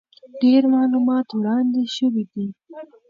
ډېر معلومات وړاندې شوي دي،